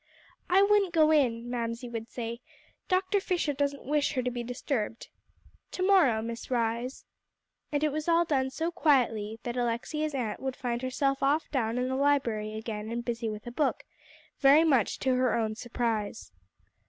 "I wouldn't go in," Mamsie would say; "Dr. Fisher doesn't wish her to be disturbed. To morrow, Miss Rhys." And it was all done so quietly that Alexia's aunt would find herself off down in the library again and busy with a book, very much to her own surprise.